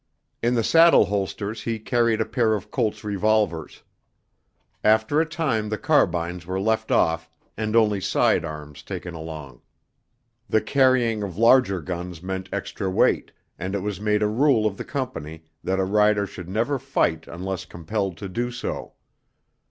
In the saddle holsters he carried a pair of Colt's revolvers. After a time the carbines were left off and only side arms taken along. The carrying of larger guns meant extra weight, and it was made a rule of the Company that a rider should never fight unless compelled to do so.